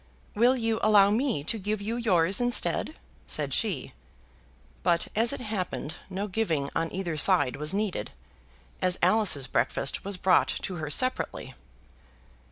"Will you allow me to give you yours instead?" said she. But as it happened, no giving on either side was needed, as Alice's breakfast was brought to her separately.